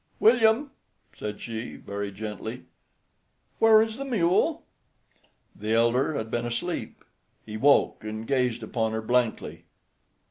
"William," said she, very gently, "where is the mule?" The elder had been asleep. He woke and gazed upon her blankly.